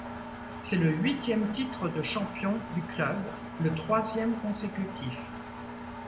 C’est le huitième titre de champion du club, le troisième consécutif.